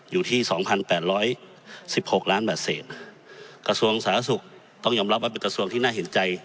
อยู่ที่สองพันแปดร้อยสิบหกล้านบาทเศษกระทรวงสาธารณสุขต้องยอมรับว่าเป็นกระทรวงที่น่าเห็นใจ